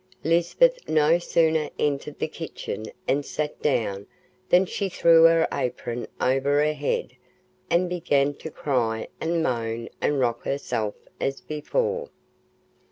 Lisbeth no sooner entered the kitchen and sat down than she threw her apron over her head, and began to cry and moan and rock herself as before.